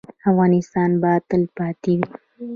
افغانستان به تلپاتې وي